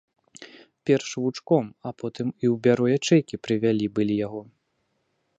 Перш у вучком, а потым і ў бюро ячэйкі правялі былі яго.